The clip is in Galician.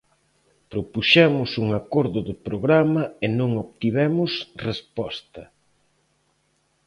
Propuxemos un acordo de programa e non obtivemos resposta.